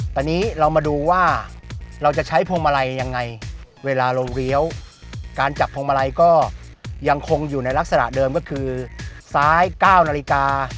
ตอนนี้เรามาดูว่าเราจะใช้พวงมาลัยยังไงเวลาเราเลี้ยวการจับพวงมาลัยก็ยังคงอยู่ในลักษณะเดิมก็คือซ้าย๙นาฬิกา